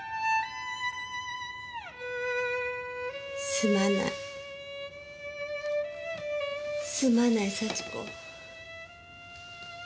「すまないすまない祥子」。